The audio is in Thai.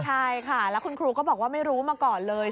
ใช่ค่ะแล้วคุณครูก็บอกว่าไม่รู้มาก่อนเลย